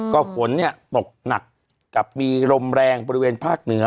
ก็ฝนเนี่ยตกหนักกับมีลมแรงบริเวณภาคเหนือ